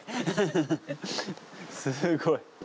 すごい。